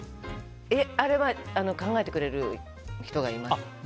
あれは考えてくれる人がいます。